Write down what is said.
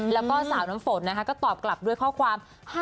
แล้วก็สาวน้ำฝนนะคะก็ตอบกลับด้วยข้อความ